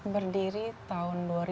berdiri tahun dua ribu empat belas